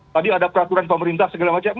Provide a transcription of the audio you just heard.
tadi ada peraturan pemerintah segala macam